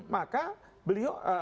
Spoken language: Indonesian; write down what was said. maka beliau cina itu akan